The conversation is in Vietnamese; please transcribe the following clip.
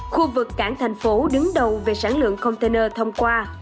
khu vực cảng thành phố đứng đầu về sản lượng container thông qua